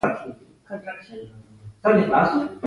تاسو اوس له فري ټاون څخه ختیځ په لور په موټر کې سفر کوئ.